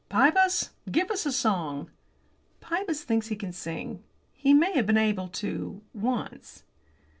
"Pybus, give us a song." (Pybus thinks he can sing. He may have been able to once.)